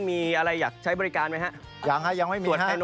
มีอะไรอยากใช้บริการไหมฮะส่วนภายนมภายในก่อนไหมฮะยังไม่มีฮะ